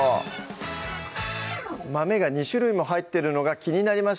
豆が２種類も入ってるのが気になりました